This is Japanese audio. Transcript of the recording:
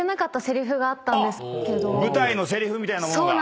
舞台のせりふみたいなものが。